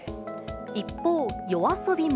一方、ＹＯＡＳＯＢＩも。